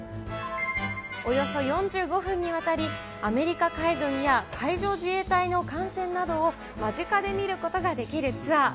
およそ４５分にわたり、アメリカ海軍や海上自衛隊の艦船などを間近で見ることができるツアー。